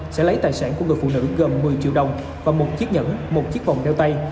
sẽ lấy tài sản của người phụ nữ gồm một mươi triệu đồng và một chiếc nhẫn một chiếc vòng đeo tay